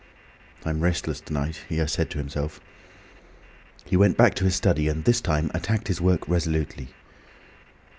"I'm restless to night," he said to himself. He went back to his study, and this time attacked his work resolutely.